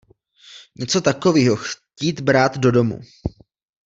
Něco takovýho chtít brát do domu!